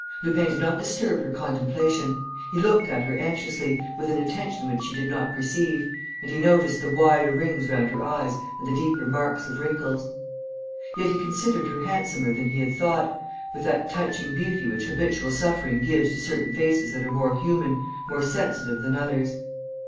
Lupin did not disturb her contemplation. He looked at her anxiously, with an attention which she did not perceive, and he noticed the wider rings round her eyes and the deeper marks of wrinkles. Yet he considered her handsomer than he had thought, with that touching beauty which habitual suffering gives to certain faces that are more human, more sensitive than others.